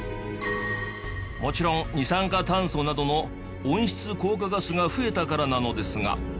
もちろん二酸化炭素などの温室効果ガスが増えたからなのですが。